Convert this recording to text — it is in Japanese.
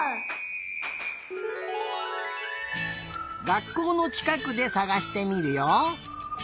がっこうのちかくでさがしてみるよ。